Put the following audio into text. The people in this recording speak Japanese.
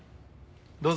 どうぞ。